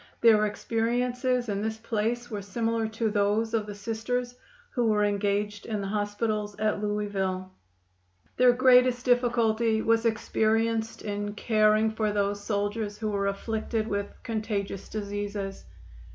Their experiences in this place were similar to those of the Sisters who were engaged in the hospitals at Louisville. Their greatest difficulty was experienced in caring for those soldiers who were afflicted with contagious diseases.